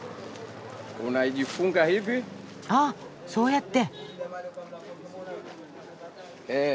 ああそうやって。